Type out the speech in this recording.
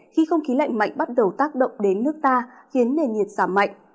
khi không khí lạnh mạnh bắt đầu tác động đến nước ta khiến nền nhiệt giảm mạnh